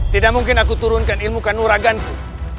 tidak mungkin aku turunkan ilmu kanuraganku